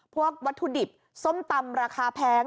วัตถุดิบส้มตำราคาแพง